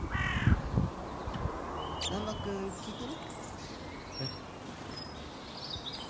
難破君聞いてる？えっ？ああ。